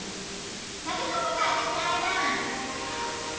タケコプターで帰ろう。